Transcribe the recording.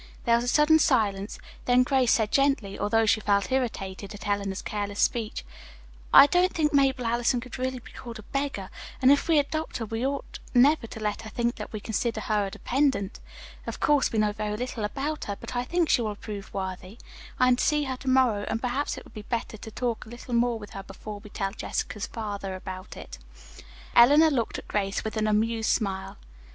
There was a sudden silence. Then Grace said gently, although she felt irritated at Eleanor's careless speech: "I don't think Mabel Allison could really be called a beggar; and if we adopt her, we ought never to let her think that we consider her a dependent. Of course we know very little about her yet, but I think she will prove worthy. I am to see her to morrow, and perhaps it would be better to talk a little more with her before we tell Jessica's father about it." Eleanor looked at Grace with an amused smile.